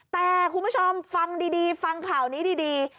แต่คุณผู้ชมฟังดีฟังข่าวนี้ดี